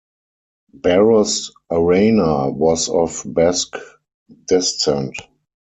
Barros Arana was of Basque descent.